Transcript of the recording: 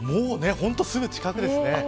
本当に、すぐ近くですね。